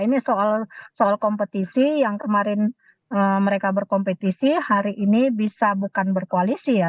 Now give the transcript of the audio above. ini soal kompetisi yang kemarin mereka berkompetisi hari ini bisa bukan berkoalisi ya